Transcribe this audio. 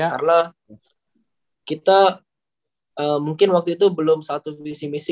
karena kita mungkin waktu itu belum satu misi misi